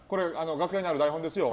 楽屋にある台本ですよ。